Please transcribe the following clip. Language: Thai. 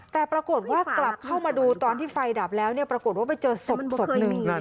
แต่ปรากฏว่ากลับเข้ามาดูตอนที่ไฟดับแล้วปรากฏว่าไปเจอศพศพหนึ่ง